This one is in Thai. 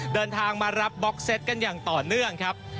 เดินทางมารับบล็อกเซตกันอย่างต่อเนื่องครับ